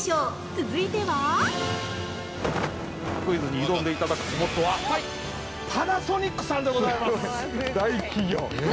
続いては◆クイズに挑んでいただくスポットはパナソニックさんでございます。